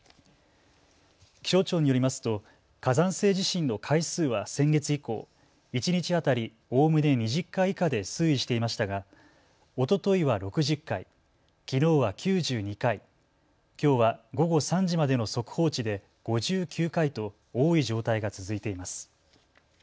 気象庁によりますと火山性地震の回数は先月以降、一日当たりおおむね２０回以下で推移していましたがおとといは６０回、きのうは９２回、きょうは午後３時までの速報値で５９回と多い状態が続いています。